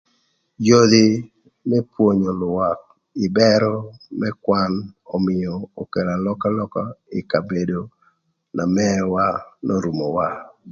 Yodhi më pwonyo lwak kï bërö më kwan ömïö okelo alökalöka ï kabedo na mëwa n'orumowa.